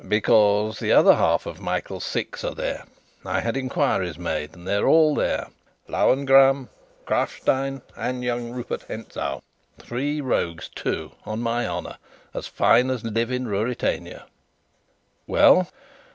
"Because the other half of Michael's Six are there. I had enquiries made, and they're all there Lauengram, Krafstein, and young Rupert Hentzau: three rogues, too, on my honour, as fine as live in Ruritania." "Well?"